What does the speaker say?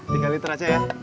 tiga liter aja ya